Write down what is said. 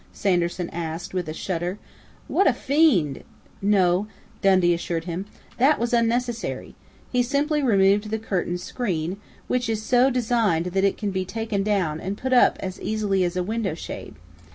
Sanderson asked with a shudder. "What a fiend " "No," Dundee assured him. "That was unnecessary. He simply removed the curtain screen, which is so designed that it can be taken down and put up as easily as a window shade.